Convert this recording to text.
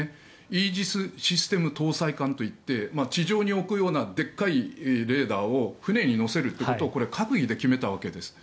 イージスシステム搭載艦といって地上に置くようなでかいレーダーを船に載せるということを閣議で決めたわけです。